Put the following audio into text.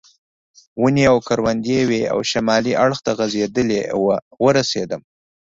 ونې او کروندې وې او شمالي اړخ ته غځېدلې وه ورسېدم.